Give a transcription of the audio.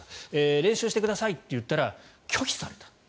練習してくださいって言ったら拒否された。